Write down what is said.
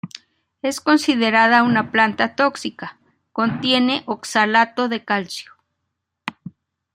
Es considerada una planta tóxica, contiene oxalato de calcio.